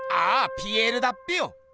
ピエールだっぺよ。